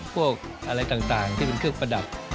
พวกอะไรต่างที่เป็นเครื่องประดับ